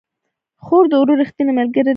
خور د ورور ريښتينې ملګرې ده